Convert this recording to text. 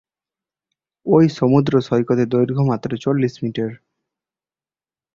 এই সমুদ্র সৈকতের দৈর্ঘ্য মাত্র চল্লিশ মিটার।